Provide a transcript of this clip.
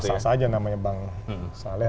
sah saja namanya bang saleh